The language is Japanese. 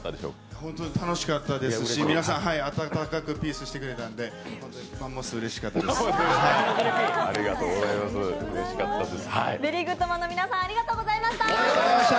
ホントに楽しかったですし皆さん、温かくピースしてくれたんでマンモスうれしかったです。